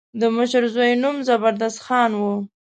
د مشر زوی نوم زبردست خان و.